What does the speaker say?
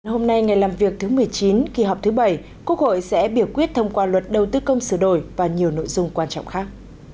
hôm nay ngày làm việc thứ một mươi chín kỳ họp thứ bảy quốc hội sẽ biểu quyết thông qua luật đầu tư công sửa đổi và nhiều nội dung quan trọng khác